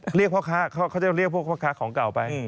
เรียกพ่อค้าเขาจะเรียกพวกพ่อค้าของเก่าไป